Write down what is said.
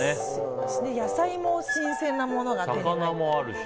野菜も新鮮なものが手に入るし。